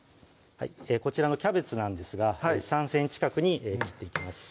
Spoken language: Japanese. こちらのキャベツなんですが３ｃｍ角に切っていきます